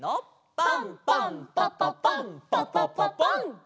パンパンパパパンパパパパン！